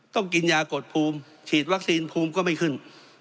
ต้องกินยากดภูมิฉีดวัคซีนภูมิก็ไม่ขึ้น